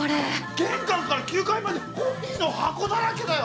玄関から９階までコピーの箱だらけだよ。